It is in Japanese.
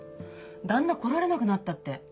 旦那来られなくなったって。